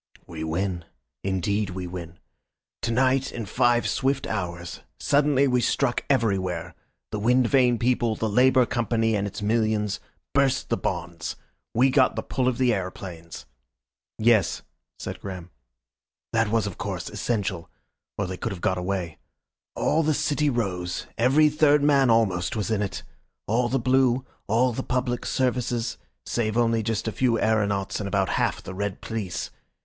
"We win. Indeed we win. To night, in five swift hours. Suddenly we struck everywhere. The wind vane people, the Labour Company and its millions, burst the bonds. We got the pull of the aeroplanes." "Yes," said Graham. "That was, of course, essential. Or they could have got away. All the city rose, every third man almost was in it! All the blue, all the public services, save only just a few aeronauts and about half the red police.